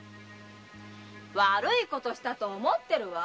悪いことしたと思ってるわ。